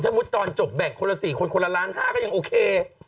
มุติตอนจบแบ่งคนละ๔คนคนละล้าน๕ก็ยังโอเค